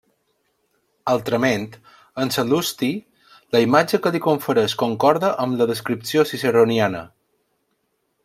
Altrament, en Sal·lusti la imatge que li confereix concorda amb la descripció ciceroniana.